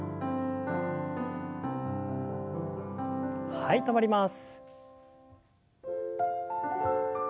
はい止まります。